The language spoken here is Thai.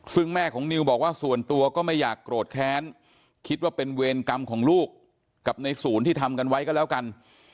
ซึ่งแม่ของนิวบอกว่าส่วนตัวก็ไม่อยากโกรธแค้นคิดว่าเป็นเวรกรรมของลูกกับในศูนย์ที่ทำกันไว้ก็แล้วกัน